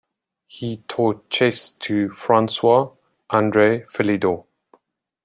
He taught chess to François-André Philidor.